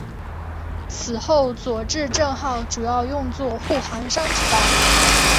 此后佐治镇号主要用作护航商船。